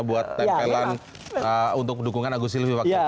buat tempelan untuk dukungan agus silvi waktu itu